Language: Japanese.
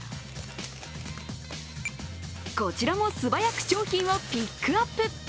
こちらも素早く商品をピックアップ。